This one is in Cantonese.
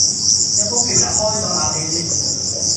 入屋記得開咗冷氣先